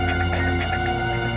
aku sudah berhenti